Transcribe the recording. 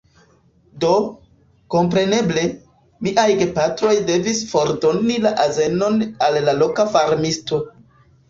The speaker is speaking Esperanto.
Do, kompreneble, miaj gepatroj devis fordoni la azenon al loka farmisto.